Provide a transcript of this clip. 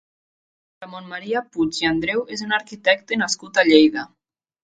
Ramon Maria Puig i Andreu és un arquitecte nascut a Lleida.